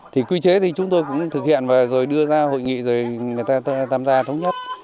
thì quy chế thì chúng tôi cũng thực hiện và rồi đưa ra hội nghị rồi người ta tham gia thống nhất